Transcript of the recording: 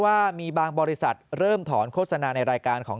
ว่ามีบางบริษัทเริ่มถอนโฆษณาในรายการของ